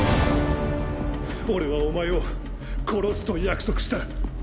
俺はお前を殺すと約束した。